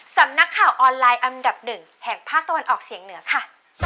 สำนักข่าวออนไลน์อันดับหนึ่งแห่งภาคตะวันออกเฉียงเหนือค่ะ